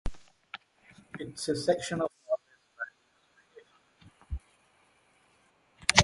It is a section of Norway's Bandy Association.